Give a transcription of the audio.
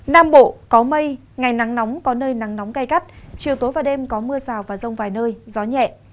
nam bộ có mây ngày nắng nóng có nơi nắng nóng gai gắt chiều tối và đêm có mưa rào và rông vài nơi gió nhẹ